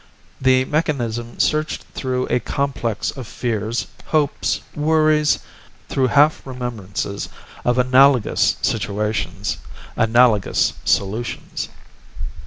The mechanism searched through a complex of fears, hopes, worries, through half remembrances of analogous situations, analogous solutions.